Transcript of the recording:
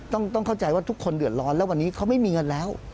ต้องเข้าใจว่าทุกคนเดือดร้อนแล้ววันนี้เขาไม่มีเงินแล้ว